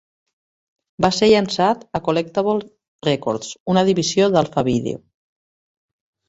Va ser llançat a Collectables Records, una divisió d'Alpha Video.